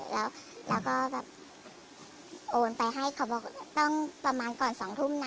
แล้วก็แบบโอนไปให้เขาบอกต้องประมาณก่อน๒ทุ่มนะ